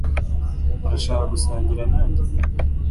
urashaka gusangira nanjye?